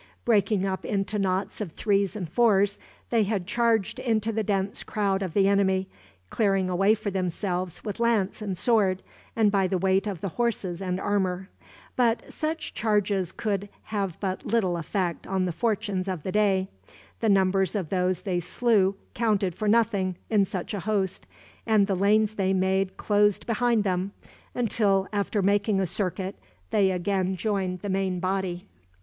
Breaking up into knots of threes and fours, they had charged into the dense crowd of the enemy; clearing a way for themselves with lance and sword, and by the weight of the horses and armor. But such charges could have but little effect on the fortunes of the day. The numbers of those they slew counted for nothing, in such a host; and the lanes they made closed behind them, until, after making a circuit, they again joined the main body.